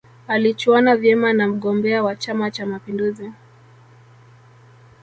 alichuana vyema na mgombea wa chama cha mapinduzi